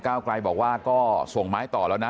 เก้ากลัยบอกว่าก็ส่งหมายต่อแล้วนะ